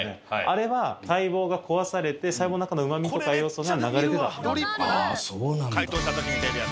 あれは細胞が壊されて細胞の中のうまみとか栄養素が流れ出たものなんですあ